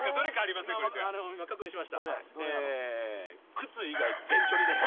靴以外全チョリです。